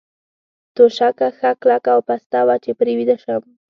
توشکه ښه کلکه او پسته وه، چې پرې ویده شم.